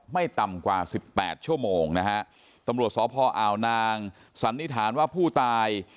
ไม่ต่ำกว่าสิบแปดชั่วโมงนะฮะตำรวจสพอาวนางสันนิษฐานว่าผู้ตาย